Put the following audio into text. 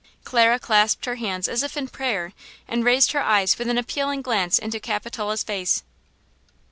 Clara clasped her hands as if in prayer and raised her eyes with an appealing gaze into Capitola's face.